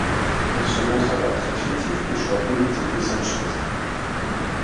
Il se montre alors très critique des choix politiques de Sánchez.